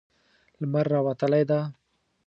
لمر راوتلی ده